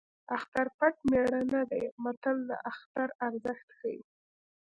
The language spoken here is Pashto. اختر پټ مېړه نه دی متل د اختر ارزښت ښيي